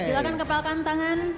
silahkan kepalkan tangan